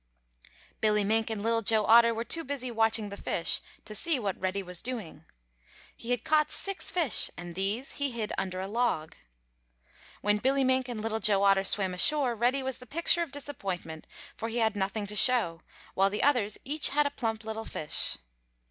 Billy Mink and Little Joe Otter were too busy watching the fish to see what Reddy was doing. He had caught six fish and these he hid under a log. When Billy Mink and Little Joe Otter swam ashore, Reddy was the picture of disappointment, for he had nothing to show, while the others each had a plump little fish.